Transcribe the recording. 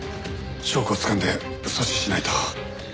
証拠をつかんで阻止しないと。